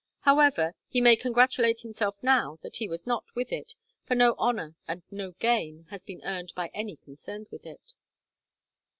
However, he may congratulate himself now that he was not with it, for no honour and no gain has been earned by any concerned in it."